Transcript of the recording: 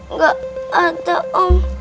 enggak ada om